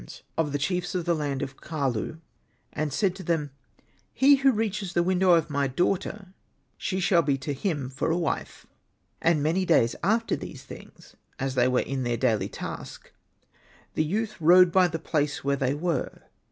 Ti(t) Hosted by Google THE DOOMED PRINCE 19 of the chiefs of the land of Khalu, and said to them, " He who reaches the window of my daughter, she shall be to him for a wife." And many days after these things, as they were in their daily task, the youth rode by the place where they were.